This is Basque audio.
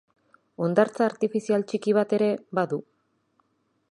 Hondartza artifizial txiki bat ere badu.